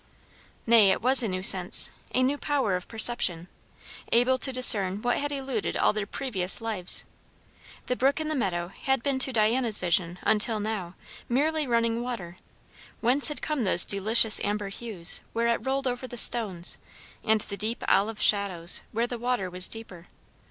Nay, it was a new sense, a new power of perception, able to discern what had eluded all their previous lives. The brook in the meadow had been to Diana's vision until now merely running water; whence had come those delicious amber hues where it rolled over the stones, and the deep olive shadows where the water was deeper?